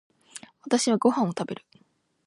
私はご飯を食べる。